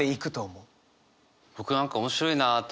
僕何か面白いなと。